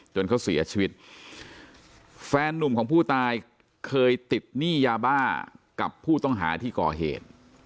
เขาเสียชีวิตแฟนนุ่มของผู้ตายเคยติดหนี้ยาบ้ากับผู้ต้องหาที่ก่อเหตุ